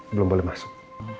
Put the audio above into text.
belum boleh masuk